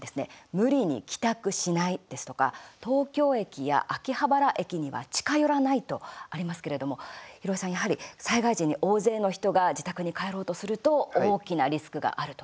無理に帰宅しないですとか東京駅や秋葉原駅には近寄らないとありますけれども廣井さん、やはり災害時に大勢の人が自宅に帰ろうとすると大きなリスクがあると。